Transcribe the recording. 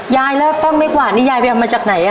ยายแล้วต้นไม่กวาดนี่ยายไปเอามาจากไหน